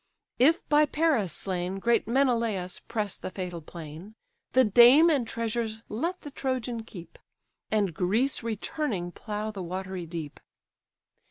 If, by Paris slain, Great Menelaus press the fatal plain; The dame and treasures let the Trojan keep, And Greece returning plough the watery deep.